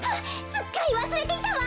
すっかりわすれていたわ。